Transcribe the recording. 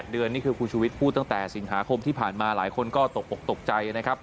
เดือนนี่คือคุณชุวิตพูดตั้งแต่สิงหาคมที่ผ่านมาหลายคนก็ตกออกตกใจนะครับ